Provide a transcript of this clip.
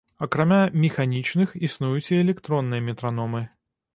Акрамя механічных, існуюць і электронныя метраномы.